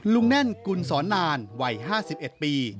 แน่นกุลสอนนานวัย๕๑ปี